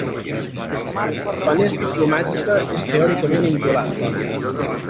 Quan és diplomàtica és teòricament inviolable.